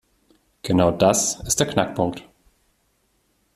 Genau das ist der Knackpunkt.